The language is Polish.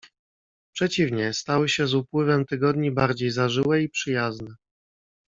"Przeciwnie, stały się z upływem tygodni bardziej zażyłe i przyjazne."